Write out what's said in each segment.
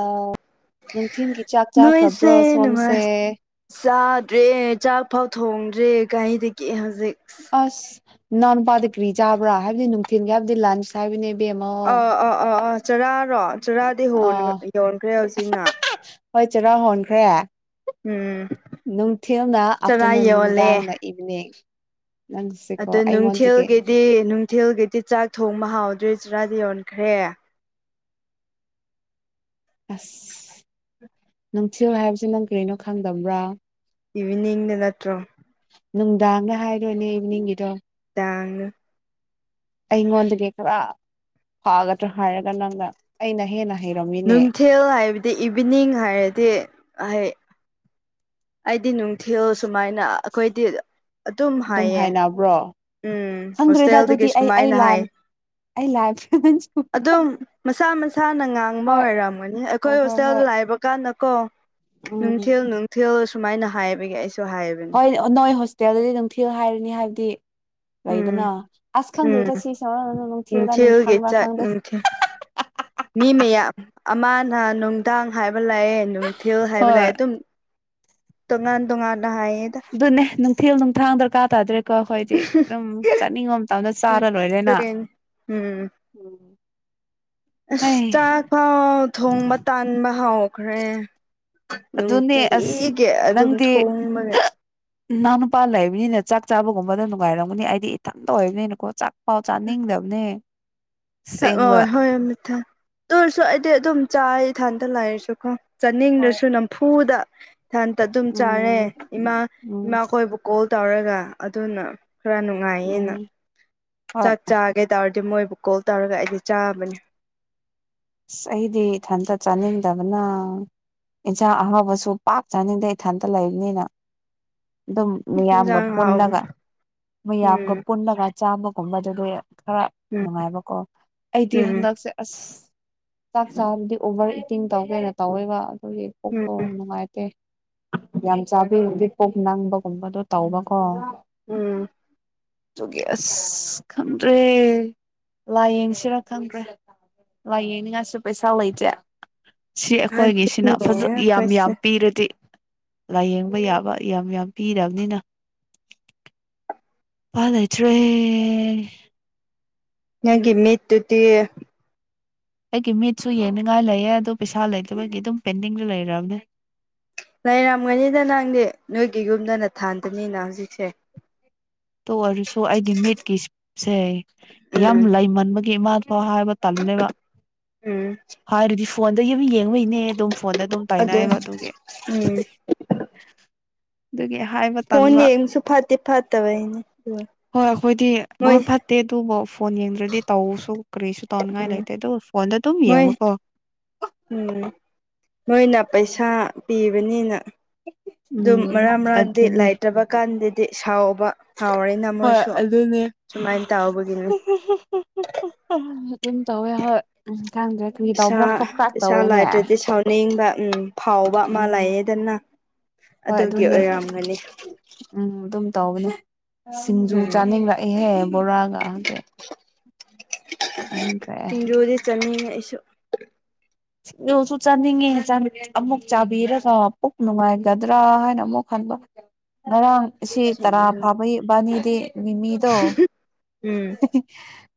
ꯑ ꯅꯨꯡꯊꯤꯤꯟꯒꯤ ꯆꯥꯛ ꯅꯣꯏꯁꯦ ꯆꯥꯈ꯭ꯔꯕ꯭ꯔꯣ ꯁꯣꯝꯁꯦ ꯭ꯔꯦ ꯆꯥꯛ ꯐꯥꯎ ꯊꯣꯡꯗ꯭ꯔꯦ ꯒꯥꯔꯤꯗꯒꯤ ꯍꯧꯖꯤꯛ ꯑꯁ ꯅꯎ ꯅꯨꯄꯥꯗ ꯀ꯭ꯔꯤ ꯆꯥꯕ꯭ꯔꯥ ꯍꯥꯏꯕꯗꯤ ꯅꯨꯡꯊꯤꯟꯜꯒꯤ ꯍꯥꯏꯕꯗꯤ ꯂꯟꯁ ꯍꯥꯏꯕꯅꯤ ꯑꯥ ꯑꯥ ꯑꯥ ꯑꯥ ꯆꯔꯥꯔꯣ ꯆꯔꯥꯗꯤ ꯑꯥ ꯌꯣꯟꯈ꯭ꯔꯦ ꯍꯧꯖꯤꯛꯅ ꯍꯣꯏ ꯆꯔꯥ ꯍꯣꯟꯈ꯭ꯔꯦ ꯎꯝ ꯅꯨꯡꯊꯤꯜꯅ ꯆꯔꯥ ꯑꯥꯐꯇꯔꯅꯨꯟ ꯌꯣꯜꯂꯦ ꯅꯨꯡꯗꯥꯡꯅ ꯏꯚꯤꯅꯤꯡ ꯑ ꯅꯪꯁꯦꯀꯣ ꯑꯩꯉꯣꯟꯗꯒꯤ ꯅꯨꯡꯊꯤꯜꯒꯤꯗꯤ ꯅꯨꯡꯊꯤꯜꯒꯤꯗꯤ ꯆꯥꯛ ꯊꯣꯡꯕ ꯍꯥꯎꯗ꯭ꯔꯔꯤ ꯆꯔꯥꯗꯤ ꯌꯣꯟꯈ꯭ꯔꯦ ꯑꯁ ꯅꯨꯡꯊꯤꯜ ꯍꯥꯏꯕꯁꯦ ꯅꯪ ꯀꯩꯅꯣ ꯈꯪꯗꯕ꯭ꯔꯥ ꯏꯚꯅꯤꯡ ꯅ ꯂꯠꯇ꯭ꯔꯣ ꯅꯨꯡꯗꯥꯡꯗ ꯍꯥꯏꯔꯣꯏꯅꯦ ꯏꯚꯅꯤꯡꯒꯤꯗꯣ ꯊꯥꯡ ꯑꯩꯉꯣꯟꯗꯒꯤ ꯈꯔ ꯐꯥꯒꯗ꯭ꯔꯥ ꯍꯥꯏꯔꯒ ꯅꯪꯅ ꯑꯩꯅ ꯍꯦꯟꯅ ꯍꯩꯔꯝꯃꯤꯅꯦ ꯅꯨꯡꯊꯤꯜ ꯍꯥꯏꯕꯗꯤ ꯏꯚꯤꯅꯤꯡ ꯍꯥꯏꯔꯗꯤ ꯑꯩꯩ ꯑꯩꯗꯤ ꯅꯨꯡꯊꯤꯜ ꯁꯨꯃꯥꯏꯅ ꯑꯩꯈꯣꯏꯗꯤ ꯑꯗꯨꯝ ꯍꯥꯏꯌꯦ ꯎꯝ ꯈꯪꯗ꯭ꯔꯦꯗ ꯍꯣꯁꯇꯦꯜꯗꯒꯤ ꯑꯗꯨꯗꯤ ꯑꯩ ꯑꯩ ꯁꯨꯃꯥꯏꯅ ꯂꯥꯟ ꯍꯥꯏ ꯑꯩ ꯂꯥꯟ ꯑꯗꯨꯝ ꯃꯁꯥ ꯃꯁꯥ ꯏꯁꯥꯅ ꯉꯥꯡꯕ ꯍꯣꯏ ꯑꯣꯏꯔꯝꯃꯅꯤ ꯑꯩꯈꯣꯏ ꯍꯣꯏ ꯍꯣꯏ ꯍꯣꯏ ꯍꯣꯁꯇꯦꯜꯗ ꯂꯥꯛꯏꯕ ꯀꯥꯟꯗꯀꯣ ꯎꯝ ꯅꯨꯡꯊꯤꯜ ꯅꯨꯡ ꯁꯨꯃꯥꯏꯅ ꯍꯥꯏꯕꯒꯤ ꯑꯩꯁꯦ ꯍꯣꯏ ꯅꯣꯏ ꯍꯣꯁꯇꯦꯜꯗꯗꯤ ꯅꯨꯡꯊꯤꯜ ꯍꯥꯏꯔꯅꯤ ꯍꯥꯏꯕꯗꯤ ꯂꯩꯗꯅ ꯎꯝ ꯑꯁ ꯎꯝ ꯈꯪꯗꯣꯏꯗ ꯁꯤ ꯁꯗ ꯅꯨꯡꯊꯤꯜꯗ꯭ꯔꯥ ꯅꯨꯡ ꯅꯨꯡꯊꯤꯜꯒꯤ ꯊꯪꯕ꯭ꯔꯥ ꯆꯥꯛ ꯈꯪꯗ ꯅꯨꯡꯊꯤꯜ ꯃꯤ ꯃꯌꯥꯝ ꯑꯃꯅ ꯅꯨꯡꯗꯥꯡ ꯍꯥꯏꯕ ꯂꯥꯛꯑꯦ ꯊꯌꯣ ꯍꯥꯏꯕ ꯍꯣꯏ ꯂꯦ ꯑꯗꯨꯝ ꯇꯣꯉꯥꯟ ꯇꯣꯉꯥꯟꯅ ꯍꯥꯏꯌꯦꯗ ꯃꯊꯦꯜ ꯝ ꯊꯥꯡ ꯗꯔꯀꯥ ꯇꯥꯗ꯭ꯔꯦ ꯀꯣꯈꯣꯏꯗꯤ ꯑꯗꯨꯝ ꯆꯠꯅꯤꯡꯕ ꯃꯇꯝꯗ ꯆꯥꯔ ꯂꯣꯏꯔꯦꯅ ꯑꯗꯨꯒꯤꯅꯤ ꯎꯝ ꯎ ꯑꯁ ꯆꯥꯛꯐꯥꯎ ꯊꯣꯡꯕ ꯇꯥꯟꯕ ꯍꯥꯎꯈ꯭ꯔꯦ ꯑꯗꯨꯅꯦ ꯑꯁ ꯅꯨꯡꯇꯤꯒꯤ ꯑꯗꯨꯝ ꯊꯣꯡꯕꯅꯦ ꯏꯅꯥꯎ ꯅꯨꯄꯥ ꯂꯩꯕꯅꯤꯅ ꯆꯥꯛ ꯆꯥꯕꯒꯨꯝꯕꯗ ꯅꯨꯡꯉꯥꯏꯔꯝꯒꯅꯤ ꯍꯥꯏꯗꯤ ꯏꯊꯟꯇ ꯑꯣꯏꯕꯅꯤꯅꯀꯣ ꯆꯥꯛ ꯄꯥꯎ ꯆꯥꯅꯤꯡꯗꯕꯅꯦ ꯑꯁꯦꯡꯕ ꯍꯣꯏ ꯍꯣꯏ ꯑꯃꯃꯤ ꯊ ꯇ ꯑꯣꯏꯔꯁꯨ ꯑꯩꯗꯤ ꯑꯗꯨꯝ ꯆꯥ ꯏꯊꯟꯗ ꯂꯥꯛꯔꯁꯨꯀꯣ ꯍꯣꯏ ꯆꯥꯅꯤꯡꯗ꯭ꯔꯁꯨ ꯅꯝꯐꯨꯗ ꯍꯟꯇ ꯑꯗꯨꯝ ꯆꯥꯔꯦ ꯎꯝ ꯏꯃꯥ ꯎꯝ ꯏꯃꯥꯈꯣꯏꯕꯨ ꯀꯣꯜ ꯇꯧꯔꯒ ꯑꯗꯨꯅ ꯈꯔ ꯎꯝ ꯅꯨꯡꯉꯥꯏꯌꯦꯅ ꯍꯣꯏ ꯆꯥꯛ ꯆꯥꯒꯦ ꯇꯔꯗꯤ ꯑꯗꯨ ꯃꯣꯏꯕꯨ ꯀꯣꯜ ꯇꯧꯔꯒ ꯑꯩꯗꯤ ꯆꯥꯕꯅꯤ ꯑꯁ ꯑꯩꯗꯤ ꯏꯊꯟꯇ ꯆꯥꯅꯤꯡꯗꯕꯅ ꯏꯟꯁꯥꯡ ꯑꯍꯥꯎꯕꯁꯨ ꯄꯥꯛ ꯆꯥꯅꯤꯡꯗ ꯏꯊꯟꯇ ꯂꯩꯕꯅꯤꯅ ꯑꯗꯨꯝ ꯃꯤꯌꯥꯝꯒ ꯏꯟꯖꯥꯡ ꯄꯨꯜꯂꯒ ꯍꯥꯎꯕꯅꯦ ꯃꯌꯥꯝꯒ ꯎꯝ ꯄꯨꯜꯂꯒ ꯆꯥꯝꯃꯒꯨꯝꯕꯗꯨꯗꯤ ꯈꯔ ꯎꯝ ꯅꯨꯡꯉꯥꯏꯕꯀꯣ ꯑꯩꯗꯤ ꯎꯝ ꯍꯟꯗꯛꯁꯦ ꯑꯁ ꯆꯥꯛ ꯆꯥꯕꯗꯤ ꯑꯣꯚꯔ ꯏꯇꯤꯡ ꯇꯧ ꯀꯩꯅꯣ ꯇꯧꯋꯦꯕ ꯑꯗꯨꯒꯤ ꯎꯝ ꯀꯣꯛꯇꯣ ꯅꯨꯡꯉꯥꯏꯇꯦ ꯌꯥꯝ ꯆꯥꯕꯤꯗꯤ ꯄꯣꯞ ꯅꯪꯕꯒꯨꯝꯕꯗꯣ ꯇꯧꯕꯀꯣ ꯎꯝ ꯇꯒꯤ ꯑꯁ ꯈꯝ ꯔꯦ ꯂꯥꯏꯌꯦꯡꯁꯤꯔ ꯈꯪꯗ꯭ꯔꯦ ꯂꯥꯏꯌꯦꯡꯅꯤꯡꯉꯥꯏꯁꯨ ꯄꯩꯁꯥ ꯂꯩꯇꯦ ꯁꯤ ꯑꯩꯈꯣꯏꯒꯤꯁꯤꯅ ꯑꯗꯨꯅꯦ ꯐꯖ ꯌꯥꯝ ꯑꯩꯈꯣꯏꯁꯦ ꯌꯥꯝ ꯄꯤꯔꯗꯤ ꯂꯥꯏꯌꯦꯡꯕ ꯌꯥꯕ ꯌꯥꯝ ꯌꯥꯝ ꯄꯤꯔꯕꯅꯤꯅ ꯄꯗꯩꯆ꯭ꯔꯦ ꯅꯪꯒꯤ ꯃꯤꯠꯇꯨꯗꯤ ꯑꯩꯒꯤ ꯃꯤꯠꯁꯨ ꯌꯦꯡꯅꯤꯡꯉꯥꯏ ꯂꯩꯌꯦ ꯑꯗꯨ ꯄꯩꯁꯥ ꯂꯩꯇꯕꯒꯤ ꯑꯗꯨꯝ ꯄꯦꯟꯗꯤꯡꯗ ꯂꯩꯔꯕꯅꯦ ꯂꯩꯔꯝꯒꯅꯤꯗ ꯅꯪꯗꯤ ꯅꯣꯏꯒꯤ ꯌꯨꯝꯗꯅ ꯊꯥꯟꯗꯅꯤꯅ ꯍꯧꯖꯤꯛꯁꯦ ꯇꯣ ꯑꯣꯏꯔꯁꯨ ꯑꯩꯗꯤ ꯃꯤꯠꯀꯤꯁꯦ ꯌꯥꯝ ꯎꯝ ꯂꯩꯃꯟꯕꯒꯤ ꯏꯃꯥꯗ ꯍꯣꯏ ꯍꯥꯏꯕ ꯇꯥꯜꯂꯤꯅꯦꯕ ꯎꯝ ꯍꯥꯏꯔꯗꯤ ꯐꯣꯟꯗꯒꯤ ꯑꯃ ꯌꯦꯡꯕꯩ ꯅꯦ ꯑꯗꯨꯝ ꯐꯣꯟꯗ ꯑꯗꯨꯝ ꯑꯗꯨ ꯇꯥꯏꯅꯩꯌꯦꯕ ꯑꯗꯨꯒꯤ ꯎꯝ ꯑꯗꯨꯒꯤ ꯍꯥꯏꯕ ꯐꯣꯟ ꯇꯟꯕ ꯌꯦꯡꯁꯨ ꯐꯠꯇꯦ ꯐꯠꯇꯕ ꯑꯅꯦ ꯍꯣꯏ ꯑꯩꯈꯣꯏꯗꯤ ꯍꯣꯏ ꯐꯠꯇꯦ ꯑꯗꯨꯕꯨ ꯐꯣꯟ ꯌꯦꯡꯗ꯭ꯔꯗꯤ ꯇꯧꯁꯨ ꯀꯔꯤꯁꯨ ꯇꯧꯅꯤꯡꯉꯥꯏ ꯂꯩꯇꯦ ꯑꯗꯨꯗ ꯐꯣꯟꯗ ꯑꯗꯨꯝ ꯃꯣꯏ ꯌꯦꯡꯉꯣꯀꯣ ꯅꯣꯏꯅ ꯄꯩꯁꯥ ꯄꯤꯕꯅꯤꯅ ꯎꯝ ꯑꯗꯨꯝ ꯃꯔꯥꯡ ꯃꯔꯥꯡꯗꯤ ꯑꯗꯨꯅꯦ ꯂꯩꯥꯏꯇ꯭ꯔꯕ ꯀꯥꯟꯗꯗꯤ ꯁꯥꯎꯕ ꯁꯥꯎꯔꯦꯅ ꯍꯣꯏ ꯃꯣꯏꯁꯨ ꯑꯗꯨꯅꯦ ꯁꯨꯃꯥꯏꯅ ꯇꯧꯕꯒꯤꯅꯤ ꯑꯗꯨꯝ ꯇꯧꯋꯦ ꯍꯣꯏ ꯈꯪꯗ꯭ꯔꯦ ꯀꯨ ꯄꯩꯁꯥ ꯇꯧꯕ꯭ꯔꯥ ꯈꯣꯛ ꯈ꯭ꯔꯥꯛ ꯄꯩꯁꯥ ꯇꯧꯋꯦꯅꯦ ꯂꯩꯇ꯭ꯔꯗꯤ ꯁꯥꯎꯅꯤꯡꯕ ꯎꯝ ꯐꯥꯎꯕ ꯃꯥ ꯎꯝ ꯂꯩꯌꯦꯗꯅ ꯍꯣꯏ ꯑꯗꯨꯒꯤ ꯑꯗꯨꯅꯦ ꯑꯣꯏꯔꯝꯒꯅꯤ ꯎꯝ ꯑꯗꯨꯝ ꯇꯒꯅꯦ ꯁꯤꯡꯖꯨ ꯎꯝ ꯆꯥꯅꯤꯡꯂꯛꯏꯍꯦ ꯕꯣꯔꯥꯒꯁꯦ ꯇꯖꯗꯤ ꯀꯁꯨ ꯁꯤꯣꯁꯨ ꯆꯥꯅꯤꯡꯉꯦ ꯑꯃꯨꯛ ꯆꯥꯕꯤꯔꯒ ꯄꯨꯛ ꯅꯨꯡꯉꯥꯏꯒꯗ꯭ꯔꯥ ꯍꯥꯏꯅ ꯑꯃꯨꯛ ꯍ ꯉꯔꯥꯡ ꯁꯤ ꯇꯔꯥ ꯁꯤꯡꯖꯨ ꯐꯥꯕꯩꯕꯥꯅꯤꯗꯤ ꯃꯤꯃꯤꯗꯣ ꯎꯝ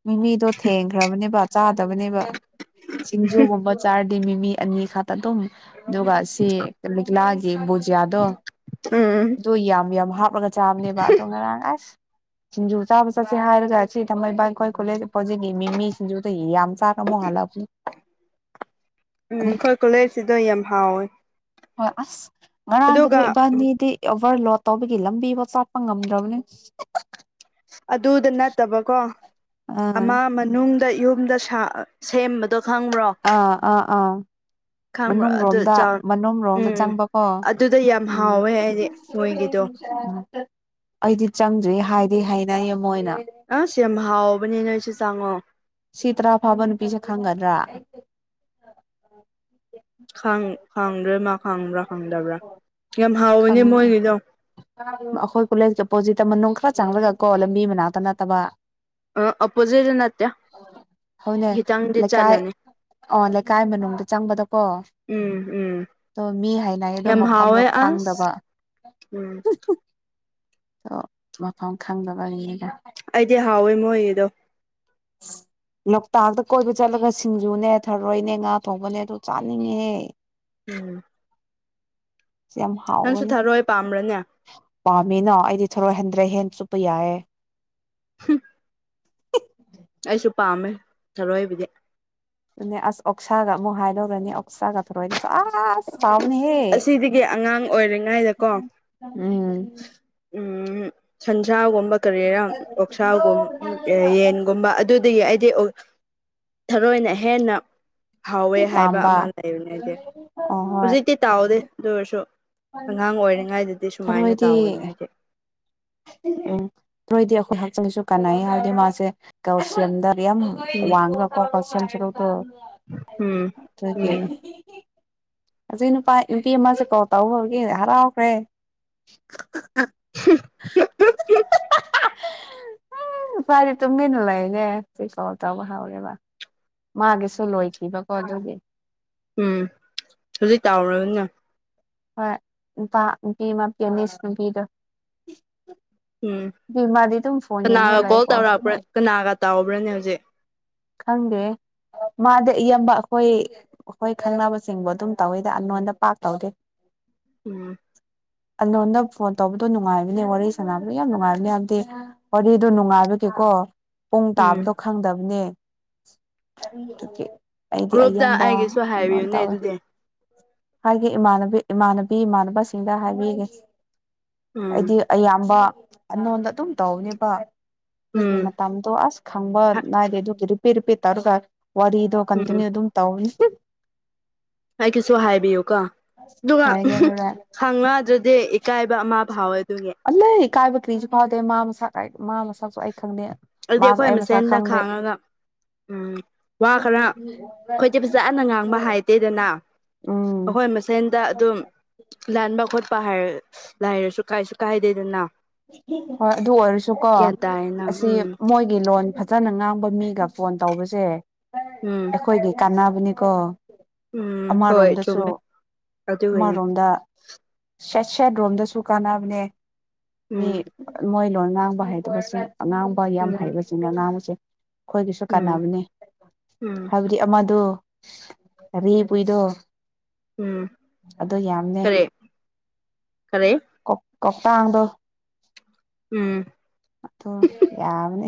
ꯃꯤꯃꯤꯗꯣ ꯊꯦꯡꯈ꯭ꯔꯕꯅꯦꯕ ꯆꯥꯗꯕꯅꯦꯕ ꯆꯁꯤꯡꯖꯨꯒꯨꯝꯕ ꯆꯥ ꯗꯤ ꯃꯤꯃꯤ ꯑꯅꯤ ꯈꯛꯇ ꯑꯗꯨꯝ ꯑꯗꯨꯒ ꯁꯤ ꯂꯤꯛꯂꯥꯒꯤ ꯕꯨꯖꯤꯌꯥꯗꯣ ꯎꯝ ꯎꯝ ꯑꯗꯨꯗꯣ ꯌꯥꯝ ꯌꯥꯝ ꯍꯥꯞꯂꯒ ꯆꯥꯕꯅꯦꯕ ꯑꯗꯣ ꯉꯔꯥꯡ ꯑꯁ ꯖ ꯆꯥꯕꯁ ꯁꯤ ꯍꯥꯔꯒꯁꯤ ꯇꯏꯀꯏ ꯀꯣꯂꯦ ꯄꯖꯤꯦ ꯃꯤ ꯃꯤꯖꯗ ꯍ ꯑ ꯑꯃꯁꯆꯥ ꯀ ꯃꯣ ꯍꯥꯂ ꯎꯝ ꯑꯩꯈꯣꯏ ꯀꯣꯂꯩꯖꯁꯤꯗ ꯌꯥꯝ ꯍꯥꯎꯋꯦ ꯍꯣꯏ ꯑꯁ ꯑꯗꯨꯒ ꯉꯔꯥꯡꯒꯗꯨ ꯏꯕꯥꯅꯤꯗꯤ ꯑꯣꯚꯔ ꯂꯣꯗ ꯇꯧꯕꯒꯤ ꯂꯝꯕꯤꯐꯣ ꯆꯠꯄ ꯉꯝꯗ꯭ꯔꯕꯅꯤ ꯑꯗꯨꯗ ꯅꯠꯇꯕꯀꯣ ꯑꯥ ꯑꯃ ꯃꯅꯨꯡꯗ ꯌꯨꯝꯗ ꯁꯦꯝꯕꯗꯣ ꯈꯪꯕ꯭ꯔꯣ ꯑꯥ ꯑꯥ ꯑꯥ ꯈꯪꯕ꯭ꯔꯣ ꯃꯅꯨꯡ ꯑꯗꯨ ꯔꯣꯝꯗ ꯆꯥꯎ ꯃꯅꯨꯡꯂꯣꯝꯗ ꯎꯝ ꯆꯪꯕꯀꯣ ꯑꯗꯨꯗ ꯌꯥꯝ ꯎꯝ ꯍꯥꯎꯋꯦ ꯍꯥꯏꯗꯤ ꯃꯣꯏꯒꯤꯗꯣ ꯑꯩꯗꯤ ꯆꯪꯗ꯭ꯔꯤ ꯍꯥꯏꯗꯤ ꯍꯥꯏꯅꯩ ꯃꯣꯏꯅ ꯑꯁ ꯌꯥꯝ ꯍꯥꯎꯕꯅꯦ ꯅꯣꯏꯁꯨ ꯆꯪꯉꯣ ꯁꯤꯇꯔꯥ ꯐꯥꯕ ꯅꯨꯄꯤꯁꯦ ꯈꯪꯒꯗ꯭ꯔꯥ ꯈ ꯈꯪꯗ꯭ꯔꯃ ꯈꯪꯕ꯭ꯔꯥ ꯈꯪꯗ꯭ꯔꯕ꯭ꯔꯥ ꯌꯥꯝ ꯍꯥꯎꯕꯅꯦ ꯈꯪ ꯃꯣꯏꯒꯤꯗꯣ ꯑꯩꯈꯣꯏ ꯀꯣꯂꯦꯖꯀꯤ ꯑꯣꯄꯣꯖꯤꯠꯇ ꯃꯅꯨꯡ ꯈꯔ ꯆꯪꯂꯒ ꯀꯣ ꯂꯝꯕꯤ ꯃꯅꯥꯛꯇ ꯅꯠꯇꯕ ꯑꯣꯄꯣꯖꯤꯠ ꯅ ꯍꯅꯦ ꯂꯩꯀꯥꯏ ꯆꯠꯂꯅꯤ ꯑ ꯂꯩꯀꯥꯏ ꯃꯅꯨꯡꯗ ꯆꯪꯕꯗꯀꯣ ꯎꯝ ꯎꯝ ꯑꯣ ꯃꯤ ꯍꯥꯏꯅꯌꯦ ꯑꯗꯣ ꯌꯥꯝ ꯃꯐꯝꯗꯣ ꯍꯥꯎꯋꯦ ꯑꯁ ꯈꯪꯗꯕ ꯎꯝ ꯃꯐꯝ ꯈꯪꯗꯕꯒꯤꯅꯤꯅ ꯑꯩꯗꯤ ꯍꯥꯎꯋꯦ ꯃꯣꯏꯒꯤꯗꯣ ꯎ ꯂꯣꯛꯇꯥꯛꯇ ꯀꯣꯏꯕ ꯆꯠꯂꯒ ꯁꯤꯡꯖꯨꯅꯦ ꯊꯔꯣꯏꯅꯦ ꯉꯥ ꯊꯣꯡꯕꯅꯦ ꯑꯗꯨ ꯆꯥꯅꯤꯡꯉꯍꯦ ꯎꯝ ꯁꯤ ꯌꯥꯝ ꯅꯪꯁꯨ ꯍꯥꯎꯋꯦꯅꯦ ꯊꯔꯣꯏ ꯄꯥꯝꯕ꯭ꯔꯅꯦ ꯄꯥꯝꯃꯤꯅ ꯑꯩꯗꯤ ꯊꯣꯔꯣꯏ ꯍꯟꯗ꯭ꯔꯦ ꯍꯦ ꯆꯨꯞꯄ ꯌꯥꯏ ꯍꯝ ꯑꯩꯁꯨ ꯄꯥꯝꯃꯦ ꯊꯔꯣꯏꯕꯨꯗꯤ ꯑꯗꯨꯅꯦ ꯑꯁ ꯑꯣꯛꯁꯥꯒ ꯑꯃꯨꯛ ꯍꯥꯏ ꯂꯧꯧꯔꯅꯤ ꯑꯣꯛꯁꯥꯒ ꯊꯧꯔꯣꯏ ꯑ ꯇꯃꯅꯤ ꯍꯦ ꯑꯁꯤꯗꯒꯤ ꯑꯉꯥꯡ ꯑꯣꯏꯔꯤꯉꯩꯗꯀꯣ ꯎꯝ ꯎ ꯁꯟꯁꯥꯒꯨꯝꯕ ꯀꯔꯤꯔꯥ ꯑꯣꯛꯁꯥꯒꯨꯝ ꯌꯦꯟꯒꯨꯝꯕ ꯑꯗꯨ ꯑꯗꯨꯗꯒꯤ ꯑꯩꯗꯤ ꯊꯔꯣꯏꯅ ꯍꯦꯟꯅ ꯍꯥꯎꯋꯦ ꯍꯥꯏꯕ ꯄꯥꯝꯕ ꯑꯃ ꯂꯩꯕꯅꯦ ꯑꯩꯗꯤ ꯑꯣ ꯍꯣꯏ ꯍꯧꯖꯤꯛꯇꯤ ꯇꯥꯎꯗꯦ ꯑꯗꯨ ꯑꯣꯏꯔꯁꯨ ꯑꯉꯥꯡ ꯑꯣꯏꯔꯤꯉꯩꯗꯗꯤ ꯁꯨꯃꯥꯏꯅ ꯊꯔꯣꯏꯗꯤ ꯇꯥꯎꯒꯅꯦ ꯍꯥꯏꯁꯦ ꯎꯝ ꯍꯣꯏꯗꯤ ꯑꯩꯈꯣꯏ ꯍꯛꯆꯥꯡꯁꯨ ꯀꯥꯟꯅꯩ ꯍꯥꯏꯗꯤ ꯃꯥꯁꯦ ꯒꯥꯎꯁꯦꯟꯗ ꯌꯥ ꯎꯝ ꯂꯄꯥ ꯀꯁꯟꯁꯤ ꯎꯝ ꯎꯝ ꯍꯧꯖꯤꯛ ꯅꯨꯄꯥ ꯅꯨꯄꯤ ꯑꯃꯁꯦ ꯀꯣ ꯇꯥꯎꯒꯦ ꯍꯔꯥꯎꯈ꯭ꯔꯦ [inaudible] ꯎ ꯐꯗꯤ ꯇꯨꯝꯃꯤꯟꯅ ꯂꯩꯅꯦ ꯀꯩ ꯀꯣꯜ ꯇꯧꯕ ꯍꯥꯎꯔꯦꯕ ꯃꯥꯒꯤꯦꯁꯨ ꯂꯣꯏꯈꯤꯕ ꯀꯣ ꯑꯗꯨꯦ ꯎꯝ ꯍꯧꯖꯤꯛ ꯇꯥꯎꯔꯅ ꯍꯣꯏ ꯅꯨꯄꯥ ꯅꯨꯄꯤꯃ ꯄꯦꯅꯤꯁ ꯅꯨꯄꯤꯗꯣ ꯎꯝ ꯃꯥꯗꯤꯇ ꯐꯣꯟ ꯌꯥꯏꯅ ꯀꯅꯥꯒ ꯂꯑ ꯀꯣꯜ ꯀꯣ ꯇꯧꯔꯛꯄ꯭ꯔꯥ ꯀꯅꯥꯒ ꯇꯥꯎꯕ꯭ꯔꯅꯦ ꯍꯧꯖꯤꯛ ꯈꯪꯦ ꯃꯥꯗ ꯏꯌꯥꯝꯕ ꯑꯩꯈꯣꯏ ꯑꯩꯈꯣꯏ ꯈꯪꯅꯕꯁꯤꯡꯕꯨ ꯑꯗꯨꯝ ꯇꯧꯋꯤꯗ ꯅꯣꯟꯗ ꯄꯥꯛ ꯇꯧꯗꯦ ꯎꯝ ꯑꯩꯉꯣꯟꯗ ꯐꯣꯟ ꯇꯧꯕꯗꯣ ꯅꯨꯡꯉꯥꯏꯕꯅꯦ ꯋꯥꯔꯤ ꯁꯥꯟꯅꯕꯗ ꯌꯥꯝ ꯅꯨꯡꯉꯥꯏꯕꯅꯤ ꯍꯥꯏꯕꯗꯤ ꯋꯥꯔꯤꯗ ꯅꯨꯡꯉꯥꯏꯕꯒꯤꯦꯀꯣ ꯀꯣ ꯄꯨꯡ ꯎꯝ ꯇꯥꯕꯗꯣ ꯈꯪꯗꯕꯅꯦ ꯑꯗꯨ ꯑꯩꯗꯤ ꯒ꯭ꯔꯨꯞꯇ ꯑꯌꯥꯝꯕ ꯑꯩꯒꯤꯁꯨ ꯑꯗꯨ ꯍꯥꯏꯕꯤꯌꯨꯅꯦ ꯇꯧꯋꯦ ꯑꯗꯨꯗꯤ ꯍꯥꯏꯒꯦ ꯏꯃꯥꯟꯕꯤ ꯏꯃꯥꯟꯅꯕꯤ ꯏꯃꯥꯟꯅꯕꯁꯤꯡꯗ ꯍꯥꯏꯕꯤꯒꯦ ꯎꯝ ꯍꯥꯏꯗꯤ ꯑꯌꯥꯝꯕ ꯑꯅꯣꯟꯗ ꯑꯗꯨꯝ ꯇꯧꯅꯦꯕ ꯑꯗꯨꯒꯤ ꯎꯝ ꯃꯇꯝꯗꯣ ꯑꯁ ꯈꯪꯕ ꯅꯥꯏꯗꯦ ꯑꯗꯨꯒꯤ ꯨꯄꯤꯦ ꯨꯄꯤꯦꯠ ꯇꯧꯔꯒ ꯋꯥꯔꯤꯗꯣ ꯎꯝ ꯀꯟꯇꯤꯅ꯭ꯌꯨ ꯑꯗꯨꯝ ꯇꯧꯅꯤ ꯑꯩꯒꯤꯁꯨ ꯍꯥꯏꯕꯤꯌꯨꯀꯣ ꯑꯗꯨꯒ ꯍꯥꯏꯒꯦ ꯍꯣꯔꯦꯟ ꯈꯪꯗ ꯦ ꯑꯦꯀꯑꯕ ꯃꯥ ꯥꯎ ꯑꯜ ꯀꯥꯏꯕ ꯀ꯭ꯔꯤꯁꯨ ꯐꯥꯎꯗꯦ ꯃꯥ ꯃꯁꯥ ꯀ ꯃꯥ ꯃꯁꯥꯁꯨ ꯑꯗꯨꯗꯤ ꯑꯩꯈꯣꯏ ꯑꯃꯁꯦꯟꯗ ꯈꯥꯡꯉꯒ ꯎꯝ ꯋꯥ ꯈꯔ ꯑꯩꯈꯣꯏꯗꯤ ꯐꯖꯅ ꯉꯥꯡꯕ ꯍꯥꯏꯗꯦꯗꯅ ꯎꯝ ꯑꯩꯈꯣꯏ ꯃꯁꯦꯟꯗ ꯑꯗꯨꯝ ꯂꯥꯟꯕ ꯈꯣꯄ ꯄꯥ ꯍꯥꯏꯔ ꯂꯥꯏꯔꯁꯨ ꯀꯥꯏꯁꯨ ꯀꯥꯏꯗꯦꯗꯅ ꯍꯣꯏ ꯑꯗꯨ ꯑꯣꯏꯔꯁꯨꯀꯣ ꯒ꯭ꯌꯥꯟ ꯇꯥꯏꯌꯦꯅ ꯑꯁꯤ ꯎꯝ ꯃꯣꯏꯒꯤ ꯂꯣꯟ ꯐꯖ ꯐꯖꯅ ꯉꯥꯡꯕ ꯃꯤꯒ ꯐꯣꯟ ꯇꯧꯕꯁꯦ ꯎꯝ ꯑꯩꯈꯣꯏꯒꯤ ꯀꯥꯟꯅꯕꯅꯤꯀꯣ ꯎꯝ ꯍꯣꯏ ꯑꯃꯔꯣꯝꯗꯁꯨ ꯆꯨꯝꯃꯦ ꯑꯗꯨꯒꯤꯅꯦ ꯑꯃꯔꯣꯝꯗ ꯁꯦꯠ ꯁꯦꯠ ꯔꯣꯝꯗꯁꯨ ꯀꯥꯟꯅꯕꯅꯦ ꯃꯤ ꯎꯝ ꯃꯣꯏ ꯂꯣꯟ ꯉꯥꯡꯕ ꯍꯥꯏꯗꯕꯁꯦ ꯑꯉꯥꯡꯕ ꯌꯥꯝ ꯎꯝ ꯍꯩꯕꯁꯤꯡꯅꯦ ꯑꯉꯥꯡꯕꯁꯦ ꯑꯩꯈꯣꯏꯒꯤꯁꯨ ꯎꯝ ꯀꯥꯟꯅꯕꯅꯤ ꯎꯝ ꯍꯥꯏꯕꯗꯤ ꯑꯃꯗꯨ ꯀꯔꯤ ꯄꯨꯏꯗꯣ ꯎꯝ ꯑ ꯌꯥꯝꯅꯦ ꯈꯔꯦ ꯀꯧꯣꯛꯇꯥꯡꯗꯣ ꯎꯝ ꯑ ꯌꯥꯕꯅꯤ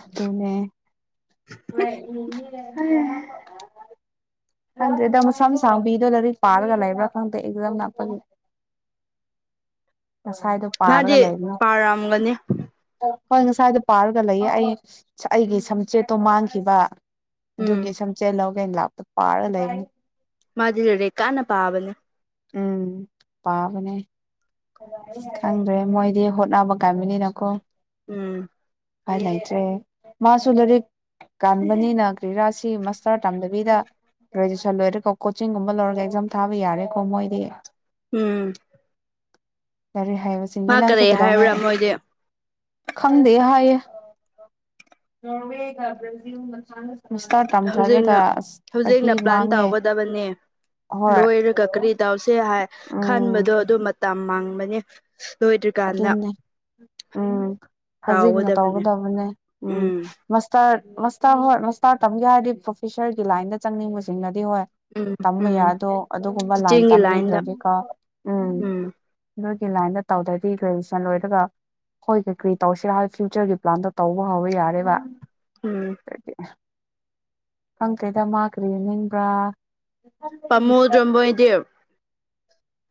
ꯑꯗꯨꯅꯦ ꯍ ꯈꯪꯗ꯭ꯔꯦꯗ ꯃꯁꯥ ꯃꯁꯥꯡꯕꯤꯗꯣ ꯂꯥꯏꯔꯤꯛ ꯄꯥꯔꯒ ꯂꯩꯕ꯭ꯔꯥ ꯈꯪꯗꯦ ꯑꯦꯛꯖꯥꯝ ꯅꯄꯒꯤ ꯉꯁꯥꯏꯗꯣ ꯄꯥꯔꯒ ꯃꯥꯗꯤ ꯂꯩꯅꯤ ꯄꯥꯔꯝꯒꯅꯤ ꯍꯣꯏ ꯉꯁꯥꯏꯗꯣ ꯄꯥꯔꯒ ꯂꯩꯌꯦ ꯑꯩ ꯑꯩꯒꯤ ꯁꯝꯆꯦꯠꯇꯣ ꯃꯥꯡꯈꯤꯕ ꯎꯝ ꯑꯗꯨꯒꯤ ꯁꯝꯆꯦꯜꯍꯧꯈꯩꯅ ꯂꯥꯞꯇ ꯄꯥꯔ ꯂꯩꯅꯤ ꯃꯥꯖꯤꯦ ꯂꯔꯦ ꯀꯥꯟꯅ ꯄꯥꯕꯅꯦ ꯎꯝ ꯄꯥꯕꯅꯦ ꯈꯪꯗ꯭ꯔꯦ ꯃꯣꯏꯗꯤ ꯍꯣꯠꯅꯕ ꯀꯥꯏꯃꯤꯅꯤꯅꯀꯣ ꯎꯝ ꯐꯥꯏ ꯂꯆꯦ ꯃꯥꯁꯨꯨꯗꯔ ꯀꯥꯟꯕꯅꯤꯅ ꯀ꯭ꯔꯤꯔꯥꯁꯤ ꯃꯁꯇꯔ ꯇꯥꯟꯗꯕꯤꯗ ꯒ꯭ꯔꯦꯖꯨꯑꯦꯁꯟ ꯂꯣꯏꯔꯦꯀꯣ ꯀꯣꯆꯤꯡꯒꯨꯝꯕ ꯂꯧꯔꯒ ꯑꯦꯛꯖꯥꯝ ꯊꯥꯕ ꯌꯥꯔꯦꯀꯣ ꯃꯣꯏꯗꯤ ꯎꯝ ꯀꯔꯤ ꯍꯥꯏꯕꯁꯤꯡꯁꯦ ꯃꯥ ꯅꯪꯁꯨ ꯀꯔꯤ ꯍꯥꯏꯕ꯭ꯔꯥ ꯀꯩꯗꯧꯉꯑꯦ ꯃꯣꯏꯗꯤ ꯈꯪꯗꯦ ꯍꯥꯏꯌꯦ ꯅꯔꯋꯦꯒ ꯭ꯔꯖꯤꯜ ꯃꯤꯁꯇꯔ ꯇꯝꯊꯔꯒ ꯍꯧꯖꯤꯛꯅ ꯑꯁ ꯆꯍꯤ ꯍꯧꯖꯤꯛꯅ ꯄ꯭ꯂꯥꯟ ꯃꯥꯡꯉꯦ ꯇꯧꯒꯗꯕꯅꯦ ꯍꯣꯏ ꯂꯣꯏꯔꯒ ꯀꯔꯤ ꯇꯎꯁꯦ ꯍꯥꯏ ꯎꯝ ꯈꯟꯕꯗꯣ ꯑꯗꯨ ꯃꯇꯝ ꯃꯥꯡꯕꯅꯤ ꯄ ꯀꯥꯅ ꯑꯗꯨꯅꯦ ꯎꯝ ꯍꯧꯖꯤꯛꯅ ꯇꯧꯒꯗꯕꯅꯦ ꯎꯝ ꯃꯁꯇꯔ ꯃꯁꯇꯥꯔ ꯍꯣꯏ ꯃꯁꯇꯥꯔ ꯇꯝꯒꯦ ꯍꯥꯏꯔꯗꯤ ꯄ꯭ꯔꯣꯐꯦꯁꯔꯒꯤ ꯂꯥꯏꯟꯗ ꯆꯪꯅꯤꯡꯕꯁꯤꯡꯅꯗꯤ ꯍꯣꯏ ꯎꯝ ꯇꯝꯕ ꯎꯝ ꯌꯥꯗꯣ ꯑꯗꯨꯒꯨꯝꯕ ꯂꯥꯏꯟ ꯆꯤꯆꯦꯡꯒꯤ ꯂꯥꯏꯟꯗ ꯇꯝꯅꯤꯡꯗ꯭ꯔꯗꯤꯀꯣ ꯎꯝ ꯅꯣꯏꯒꯤ ꯂꯥꯏꯟꯗ ꯇꯧꯗꯔ ꯑꯩ ꯒ꯭ꯔꯦꯖꯨꯑꯦꯁꯟ ꯂꯣꯏꯔꯒ ꯍꯈꯣꯏ ꯀꯩ ꯀꯔꯤ ꯇꯧꯁꯤꯔ ꯐꯤꯌꯨꯆꯔꯒꯤ ꯄ꯭ꯂꯥꯟꯗꯣ ꯇꯧꯕ ꯍꯧꯕ ꯌꯥꯔꯦꯕ ꯎꯝ ꯈꯪ ꯀꯦꯗ ꯃꯥꯈ꯭ꯔꯤ ꯅꯤꯡꯕ꯭ꯔꯥ ꯄꯃꯨꯗꯔꯝ ꯕꯣꯏꯗ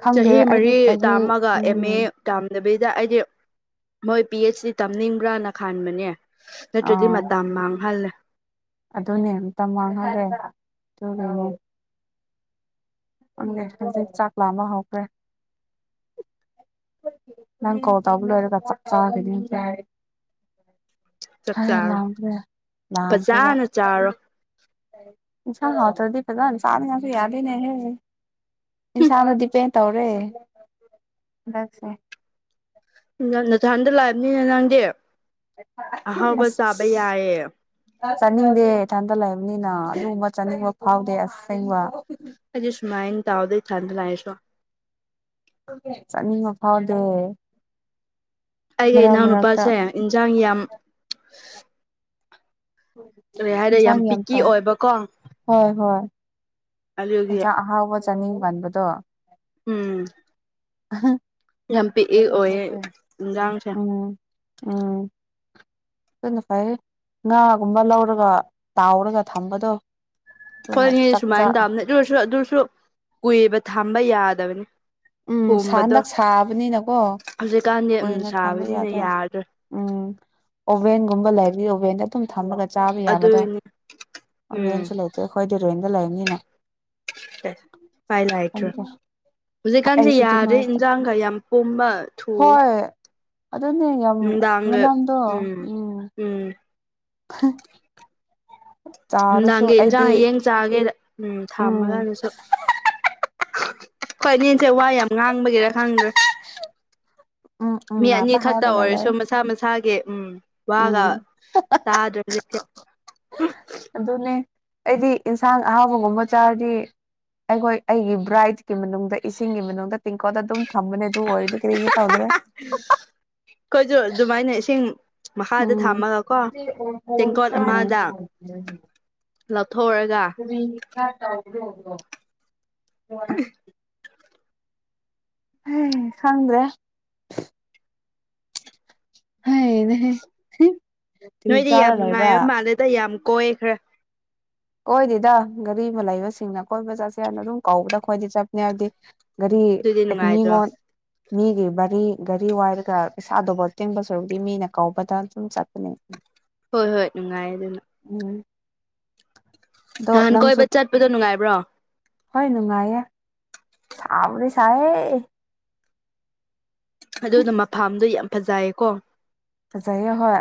ꯈꯪꯗꯦ ꯆꯍꯤ ꯑꯩꯗꯤ ꯃꯔꯤ ꯆꯍꯤ ꯇꯥꯝꯃꯒ ꯑꯦꯝ ꯎꯝ ꯑꯦ ꯇꯥꯝꯗꯕꯤ ꯁꯤꯗ ꯑꯩꯗꯤ ꯃꯣꯏ ꯄꯤ ꯑꯩꯆ ꯗꯤ ꯇꯝꯅꯤꯡꯕ꯭ꯔꯅ ꯈꯟꯥꯟꯕꯅꯦ ꯅꯠꯇ꯭ꯔꯗꯤ ꯑꯥ ꯃꯇꯝ ꯃꯥꯡꯍꯜꯂꯦ ꯑꯗꯨꯅꯦ ꯑꯝꯇ ꯃꯥꯡꯍꯔꯦ ꯑꯗꯨꯅꯦ ꯍꯪ ꯍꯧꯖꯤꯛ ꯆꯥꯛ ꯂꯥꯕ ꯍꯧꯈ꯭ꯔꯦ ꯅꯪ ꯀꯣꯗꯕ ꯂꯔ ꯀꯆ ꯐꯔꯦ ꯂ꯭ꯔꯦ ꯆꯥꯛ ꯆꯥꯔꯣ ꯂ꯭ꯔꯦꯕ ꯐꯖꯅ ꯆꯥꯔꯣ ꯏꯁ ꯗꯤꯄꯒꯅꯤ ꯆꯥꯟꯅꯁꯨ ꯌꯥꯕꯤꯅꯦꯍꯦ ꯏꯟꯁꯥꯡꯗꯗꯤꯄꯦꯟ ꯇꯧꯔꯦ ꯍꯟꯗꯁ ꯌꯥꯝ ꯅ ꯊꯥꯟꯗ ꯂꯥꯛꯑꯕꯅꯤꯅ ꯅꯪꯗꯤ ꯍ ꯁ ꯑꯕ ꯑꯁ ꯌꯥꯑ ꯆꯥꯅꯤꯡꯗꯦ ꯏꯊꯟꯇ ꯂꯩꯕꯅꯤꯅ ꯑꯂꯨ ꯑꯃ ꯆꯥꯅꯤꯡꯕ ꯐꯥꯎꯗꯦ ꯑꯁꯦꯡꯕ ꯑꯩꯖ ꯁꯃꯥꯏꯟ ꯇꯥꯎꯗꯩ ꯆꯥꯟꯗ ꯂꯌꯦꯁꯣ ꯆꯥꯅꯤꯡꯕ ꯐꯥꯎꯗꯦ ꯑꯩꯒꯤ ꯃꯔꯛ ꯃꯔꯛꯇ ꯏꯅꯥꯎꯅꯨꯄꯥꯁꯦ ꯏꯟꯁꯥꯡ ꯌꯥꯝ ꯀꯔꯤ ꯍꯥꯏꯔꯦ ꯆꯥꯡ ꯌꯥꯝ ꯄꯤꯛꯀꯤ ꯇꯥꯎ ꯑꯣꯏꯕꯀꯣ ꯍꯣꯏ ꯍꯣꯏ ꯑꯗꯨꯒꯤ ꯏꯁꯥꯛ ꯑꯍꯥꯎꯕ ꯆꯥꯅꯤꯡ ꯄꯥꯟꯕꯗꯣ ꯎꯝ ꯎꯝ ꯌꯥꯝ ꯄꯤꯛꯏ ꯑꯣꯏꯌꯦ ꯏꯟꯖꯥꯡꯁꯦ ꯎꯝ ꯐꯥꯏ ꯉꯥꯒꯨꯝꯕ ꯂꯧꯔꯒ ꯇꯥꯎꯔꯒ ꯊꯝꯕꯗꯣ ꯑꯗꯨꯅ ꯍꯣꯏꯅꯤ ꯆꯥꯛ ꯁꯨꯃꯥꯏꯅ ꯆꯥꯛ ꯇꯧꯕꯅꯤ ꯑꯗꯨ ꯑꯣꯏꯔꯁꯨ ꯑꯗꯨꯁꯨ ꯀꯨꯏꯕ ꯊꯝꯕ ꯌꯥꯗꯕꯅꯤ ꯎꯝ ꯄꯨꯝꯕꯗꯣ ꯍꯟꯗꯛ ꯁꯥꯕꯅꯤꯅꯀꯣ ꯍꯧꯖꯤꯛꯀꯥꯟꯗꯤ ꯎꯝ ꯀꯨꯏꯅ ꯊꯝꯕ ꯁꯥꯕꯅꯤꯅ ꯌꯥꯗꯦ ꯌꯥꯗ꯭ꯔꯦ ꯎꯝ ꯑꯣꯚꯦꯟꯒꯨꯝꯕ ꯂꯩꯔꯤ ꯑꯣꯚꯦꯟꯗ ꯑꯗꯨꯝ ꯊꯝꯃꯒ ꯆꯥꯕ ꯌꯥꯕꯗꯣ ꯑꯗꯨꯒꯤꯅꯤ ꯎꯝ ꯔꯕꯦꯟꯁꯨ ꯂꯩꯇꯦ ꯑꯩꯈꯣꯏꯗꯤ ꯔꯦꯟꯗ ꯂꯩꯕꯅꯤꯅ ꯄꯥꯏ ꯂꯑꯩꯇ꯭ꯔ ꯏꯀꯥꯟꯁꯦ ꯑꯩꯁꯨ ꯌꯥꯔꯦ ꯑꯗꯨꯃꯥꯏꯅ ꯏꯟꯖꯥꯡꯒ ꯌꯥꯝ ꯄꯣꯝꯃ ꯊꯨ ꯍꯣꯏ ꯑꯗꯨꯅꯦ ꯌꯥꯝ ꯃꯅꯥꯗꯣ ꯎꯝ ꯎꯝ ꯆꯥꯔꯁꯨ ꯅꯪꯒꯦ ꯑꯩꯗꯤ ꯖꯌꯦꯡ ꯆꯥꯒꯦꯗ ꯎꯝ ꯊꯥꯃ ꯀꯥꯟꯗꯁꯨ ꯍꯣꯏ ꯅꯟꯁꯦ ꯋꯥ ꯌꯥꯝ ꯉꯥꯡꯕꯒꯤꯔ ꯈꯪꯗ꯭ꯔꯦ ꯎꯝ ꯎꯝ ꯃꯤ ꯑꯅꯤ ꯉꯥꯛꯇ ꯈꯛꯇ ꯍꯥꯏꯔꯒ ꯂꯩ ꯑꯣꯏꯔꯁꯨ ꯃꯁꯥ ꯃꯁꯥꯒꯤ ꯎꯝ ꯋꯥꯒ ꯎꯝ ꯇꯥꯗ꯭ꯔꯕꯗꯤ ꯎ [inaudible] ꯑꯗꯨꯅꯤ ꯑꯩꯗꯤ ꯏꯟꯁꯥꯡ ꯑꯍꯥꯎꯕꯒꯨꯝꯕ ꯆꯥꯔꯗꯤ ꯑꯩꯈꯣꯏ ꯑꯩꯒꯤ ꯕ꯭ꯔꯥꯏꯠꯀꯤ ꯃꯅꯨꯡꯗ ꯏꯁꯤꯡꯒꯤ ꯃꯅꯨꯡꯗ ꯇꯦꯡꯀꯣꯗ ꯑꯗꯨꯝ ꯊꯝꯕꯅꯦ ꯑꯗꯨ ꯍꯔꯗꯤ ꯀꯔꯤꯖ ꯇ ꯍꯗ꯭ꯔꯦ ꯑꯩꯈꯣꯏꯁꯨ ꯑꯗꯨꯃꯥꯏꯅ ꯏꯁꯤꯡ ꯃꯈꯥꯗ ꯎꯝ ꯊꯝꯃꯒ ꯀꯣ ꯇꯦꯡꯀꯣꯠ ꯑꯃꯗ ꯂꯧꯊꯣꯛꯔꯒ ꯇ [inaudible] ꯎꯝ ꯈꯪ꯭ꯗꯔꯦ ꯍꯅꯦ ꯅꯣꯏꯗꯤ ꯌꯥꯝ ꯅꯨꯡꯉꯥꯏꯕ ꯃꯥꯜꯂꯦꯗ ꯌꯥꯝ ꯀꯣꯏ ꯈꯔꯦ ꯀꯣꯏꯗꯦꯗ ꯒꯥꯔꯤꯕ ꯑꯃ ꯂꯩꯕꯁꯤꯡꯅ ꯀꯣꯏꯕ ꯆꯠꯁꯦꯅ ꯑꯗꯨꯝ ꯀꯥꯎꯗ ꯈꯣꯏꯗꯤ ꯆꯠꯄꯅꯦ ꯍꯥꯏꯕꯗꯤ ꯒꯥꯔꯤ ꯑꯗꯨꯗꯤ ꯅꯨꯡꯉꯥꯏꯗ꯭ꯔꯣ ꯃꯤꯉꯣꯟ ꯃꯤꯒꯤ ꯒꯥꯔꯤ ꯒꯥꯔꯤ ꯋꯥꯏꯔꯒ ꯄꯩꯁꯥꯗꯐ ꯇꯦꯡꯕ ꯁꯔꯗꯤ ꯃꯤꯅ ꯀꯧꯕꯥꯎꯗ ꯑꯗꯨꯝ ꯆꯠꯄꯅꯦ ꯍꯣꯏ ꯍꯣꯏ ꯅꯨꯡꯉꯥꯏ ꯑꯗꯨꯅ ꯎꯝ ꯑꯗꯣ ꯅꯍꯥꯟ ꯅꯪꯁꯨ ꯀꯣꯏꯕ ꯆꯠꯄꯗꯣ ꯅꯨꯡꯉꯥꯏꯕ꯭ꯔꯣ ꯍꯣꯏ ꯅꯨꯡꯉꯥꯏꯌꯦꯦ ꯆ ꯁꯥꯏꯦ ꯑꯗꯨꯅ ꯃꯐꯥꯝꯗꯣ ꯌꯥꯝ ꯐꯖꯌꯦꯀꯣ ꯖꯥꯏꯌꯦꯍꯣꯏ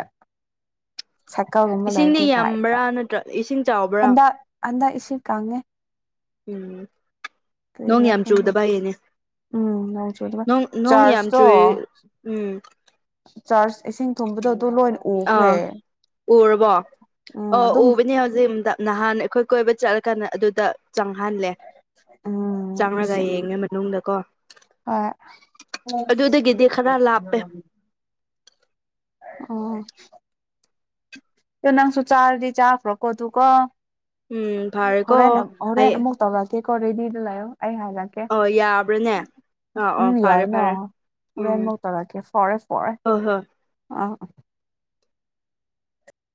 ꯁꯔꯀꯜꯒꯨꯝꯕ ꯏꯁꯤꯡꯗꯤ ꯂꯩꯔꯗꯤꯗ꯭ꯔꯥ ꯑꯛꯇ ꯌꯥꯝꯕ꯭ꯔꯥ ꯅꯠꯇ꯭ꯔ ꯏꯁꯤꯡ ꯆꯥꯎꯕ꯭ꯔꯥ ꯍꯟꯗꯛ ꯍꯟꯗꯛ ꯏꯁꯨ ꯀꯪꯉꯦ ꯎꯝ ꯅꯣꯡ ꯀꯔꯤꯒꯤꯔꯥ ꯌꯥꯝ ꯈꯪꯗꯦ ꯆꯨꯗꯕꯌꯦꯅꯦ ꯎꯝ ꯅꯣꯡ ꯆꯨꯗꯕ ꯣꯡ ꯅꯣꯡ ꯌꯥꯝ ꯆꯥꯔꯖꯇꯣ ꯆꯨꯦ ꯎꯝ ꯆꯥꯔꯖ ꯏꯁꯤꯡ ꯊꯨꯝꯕꯗꯣ ꯑꯗꯨ ꯂꯣꯏꯅ ꯎꯈ꯭ꯔꯦ ꯑꯥ ꯎꯔꯔꯕ ꯎꯝ ꯑꯣ ꯑꯗꯨꯝ ꯎꯕꯅꯦ ꯍꯧꯖꯤꯛ ꯅꯍꯥꯟ ꯑꯩꯈꯣꯏ ꯀꯣꯏꯕ ꯆꯠꯂꯀꯥꯟꯗ ꯑꯗꯨꯗ ꯆꯪꯍꯜꯂꯦ ꯎꯝ ꯆꯪꯉꯒ ꯌꯦꯡꯉꯦ ꯃꯅꯨꯡꯗꯀꯣ ꯑꯗꯨꯗꯒꯤꯗꯤ ꯈꯔ ꯂꯥꯞꯄꯦ ꯑꯣꯏ ꯑꯣ ꯀ ꯅꯪꯁꯨ ꯆꯥꯗꯤ ꯆꯥ ꯐ꯭ꯔꯛ ꯀꯣꯗꯨ ꯀ ꯎꯝ ꯐꯔꯦꯀꯣ ꯍꯣꯔꯦꯟꯅ ꯍꯣꯔꯦꯟꯦꯟ ꯍꯌꯦꯡ ꯑꯃꯨꯛ ꯇꯧꯔꯛ ꯀꯦ ꯀꯔꯗꯤꯗ ꯂꯑꯣ ꯑꯩ ꯍꯥꯏꯖꯛꯀꯦ ꯑꯣ ꯌꯥꯕ꯭ꯔꯥꯅꯦ ꯑꯥ ꯎꯝ ꯑꯣ ꯐꯔꯦ ꯌꯥꯏꯅ ꯐꯔꯦ ꯍꯣꯔꯦꯟ ꯎꯝ ꯃꯧ ꯇꯥꯔꯛꯀꯦ ꯐꯔꯦ ꯐꯔꯦ ꯍꯣꯏ ꯍꯣꯏ ꯑꯥ